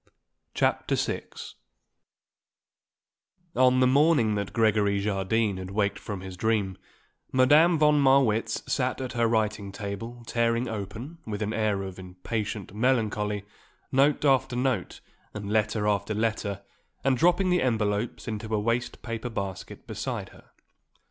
CHAPTER VI On the morning that Gregory Jardine had waked from his dream, Madame von Marwitz sat at her writing table tearing open, with an air of impatient melancholy, note after note and letter after letter, and dropping the envelopes into a waste paper basket beside her.